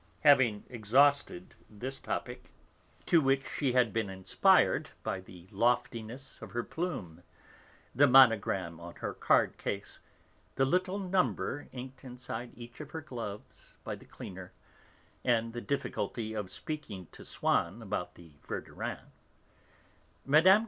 Having exhausted this topic, to which she had been inspired by the loftiness of her plume, the monogram on her card case, the little number inked inside each of her gloves by the cleaner, and the difficulty of speaking to Swann about the Verdurins, Mme.